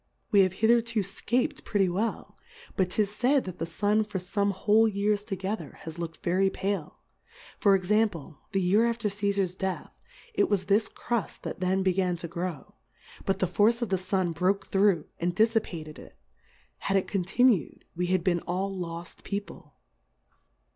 We have hitherto fcap'd pretty well; but 'tis faid, that the Sun for fome whole Years together has looked very pale ; for Example, the Year af ter C^far\ Death; it was this Cruft that then began to grow, but the Force of the Sun broke through, and diffipated it ; had it continued, we had been all loft People.